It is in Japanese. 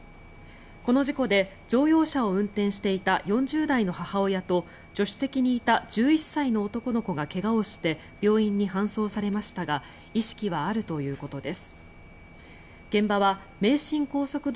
この事故で乗用車を運転していた４０代の母親と助手席にいた１１歳の男の子が怪我をして病院に搬送されましたが意識はあるということです。